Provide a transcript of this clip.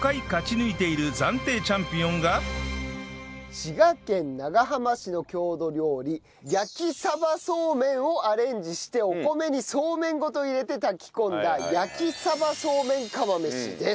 滋賀県長浜市の郷土料理焼鯖そうめんをアレンジしてお米にそうめんごと入れて炊き込んだ焼鯖そうめん釜飯です。